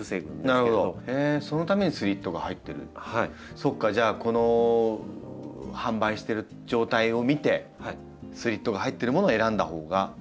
そうかじゃあこの販売してる状態を見てスリットが入ってるものを選んだほうが。